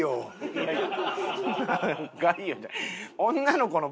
いやいや。